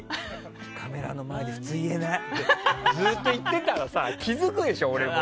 カメラの前で普通は言えないとかずっと言ってたらさ気づくでしょ、俺も。